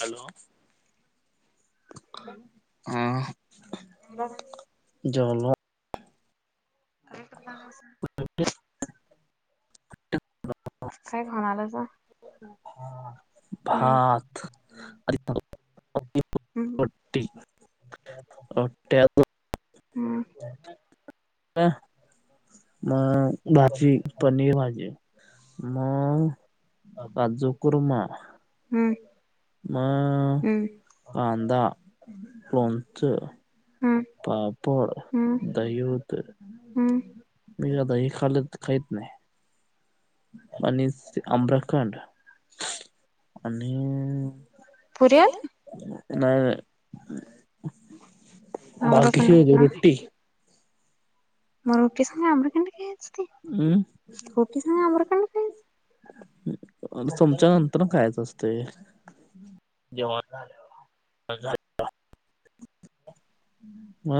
Hello, हा. बोला काय ना. जेवलो. [unintelligible] काय खाऊन आलासा हम्म हम्म [unintelligible] हम्म [unintelligible] मग भाजी पनीर भाजी म काजू कुर्मा हम्म म हम्म कांदा लोनच हम्म पापड हम्म दही होत हम्म मी काय दही खाल खाहीत नाही आणि आम्रखंड आणि पुरी आलती नाही [inaudible] आम्रखंड बाकीची कुठनं? रोटी मग रोटी संग आम्रखंड खायच ते हम् रोटी संग आम्रखंड खायच चमच्या नंतर खायचं असत जेव्हा [unintelligible] म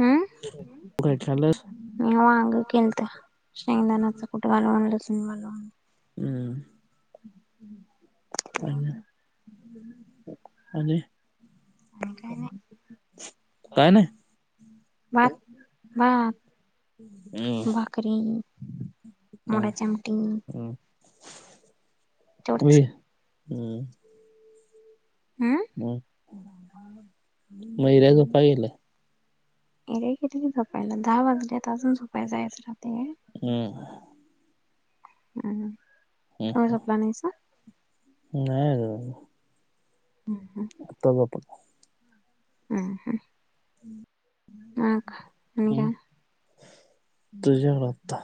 हम्म मी वांग केलत शेंगदानाच कुठ घालून ह मला हो आणि ना आणि काय नाही [unintelligible] हम्म भाकरी हम्म मोराची आमटी हम्म तेवढंच हम् हम्म ह [unintelligible] मैऱ्या झोपाय गेलंय हे रे की झोपायला दहा वाजल्यात अजून झोपायला जायच राहते हम् [unintelligible] तुम्ही हम्म जोपला नाहीसा नाही अजून हम्म हम् आता झोपा हम्म हम्म [inaudible] हा का आणि काय तुझ्या कडे आता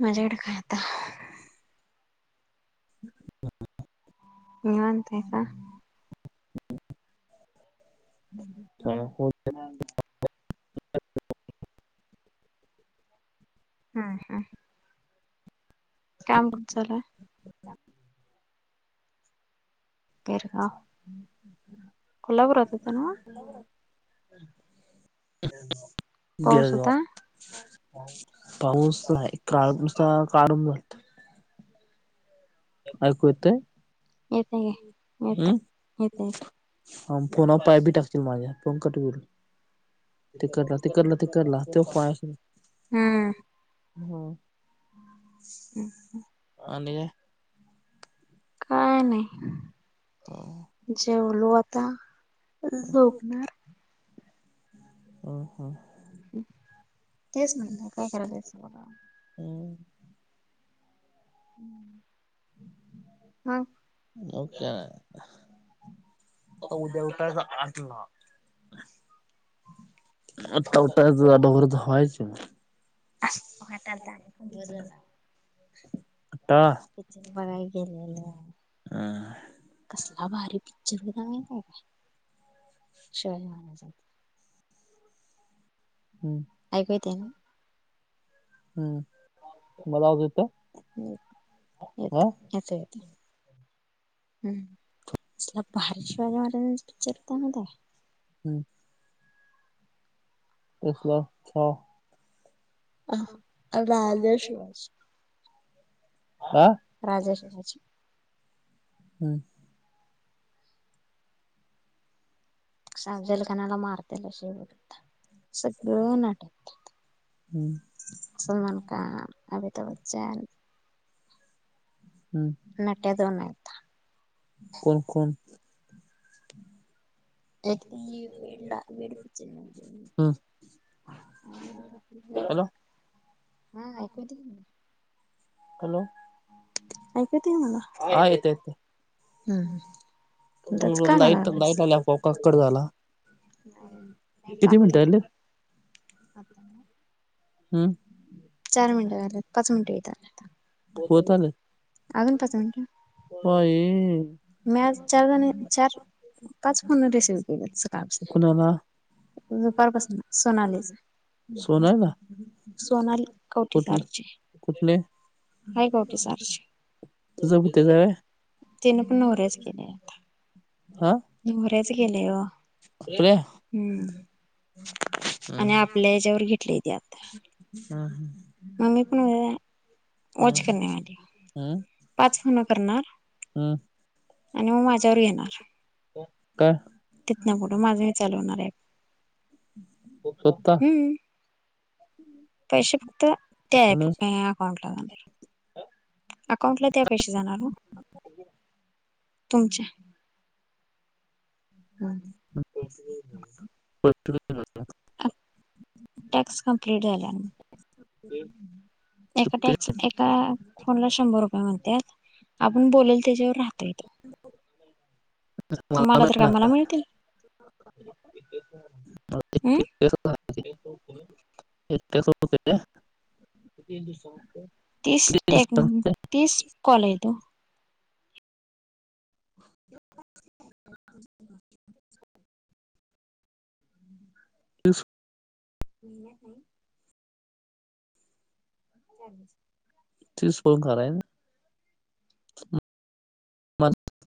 माझ्याकडे काय आता [inaudible] निवांत हाय का [inaudible] [unintelligible] [unintelligible] हा हा काम कुठ चालू आहे [inaudible] तिर का ह [inaudible] कोल्हापूरात होेत ना [inaudible] पाऊस [unintelligible] होता पाऊस नाही काल काळ [inaudible] ऐकू येतय येतय की हम् फोनावर पाय बी टाकतील माझ्या फोन कट होईल ते करला ते करला ते करला ते पा हम्म ह आणि काय नाही हम्म जेवलो आता झोपणार हम्म तेच म्हण काय करायचं बघा हम्म [inaudible] मग [unintelligible] तो उद्या उठायचा आठला [unintelligible] [unintelligible] पिक्चर बघाय टाळा गेलेत [inaudible] [inaudible] हा भारी पिक्चर बघायला [unintelligible] शिवाजी महाराजांचा. हम्म, ऐकू येतय ना हम्म. माझा आवाज येतोय? हा. येतय येतय येतय हम्म. कसला भारीच [unintelligible] [unintelligible] हम्म. कसला छा अ अ राजा शिवाजी हा राजा शिवाजी हम्म. सांजेल खानाला मार त्याला शेवट [unintelligible] सगळं नाटक हम्म [unintelligible] समान अमिताभ बच्चन हम्म नट्या दोन हायता कोण, कोण? [inaudible] हॅलो हम्म ऐकू येते हॅलो की नई? हॅलो ऐकु येतय मला. हा येते, येते. हम्म तो म्हणून दचकायला का लाईट लागलायस? लाईट आल्या आपोआप कट झाला किती मिनिटं लागतंय राहिले आता हम्म. चार मिनट झाल्यात पाच मिनट होत आले अजून पाच मिनट बाई मी आज चार जण चार, पाच फोन रिसिव केलीत सकाळपासनं. कुणाला दुपारपासनं. सोनालीच, सोनाली कवटी कुठलं, सारची कुठले? हाय कवठीसारचे तुझं कुठे जाय नवऱ्याचं केलंय ओ. हम्म. [inaudible] आणि आपल्या याच्यावर घेतली हम हम मी पण वॉच हम करण्यावाली हम पाच फोन करणार हम्म आणि मग माझ्यावर येणार [unintelligible] काय तिथन पुढ माझही चालु होणार आहे [unintelligible] स्वतः हम्म पैशे ते आणि [unintelligible] अकाउंट अकाउंटला त्या पैसे जाणार ना तुमच्या हम् [unintelligible] टॅक्स कंप्लीट झाल्यावर एका टॅक्स एका फोनला शंभर रुपये [unintelligible] आपण बोल त्याच्यावर राहत [unintelligible] तुम्हाला तर काय मला मिळतील [unintelligible] हम एकटयाच [unintelligible] दिवसा पुरत तीस टेक तीस कॉल आहेत वो तीस [unintelligible] [unintelligible] तीस फोन करायच करायचे